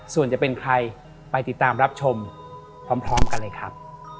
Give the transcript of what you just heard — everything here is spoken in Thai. ส่วนจะเป็นใครไปติดตามรับชมพร้อมกันเลยครับ